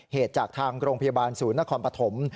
เหตุจากทางโรงพยาบาลศูนย์นครปฐม